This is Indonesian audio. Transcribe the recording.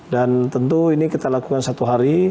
dan tentu ini kita lakukan satu hari